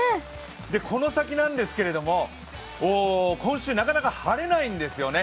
この先なんですけれども、今週なかなか晴れないんですよね。